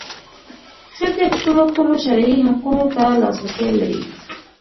ښځې خپلو ټولو شرعي حقونو ته لاسرسی لري.